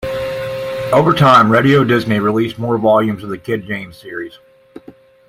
Over time, Radio Disney released more volumes of the "Kid Jams" series.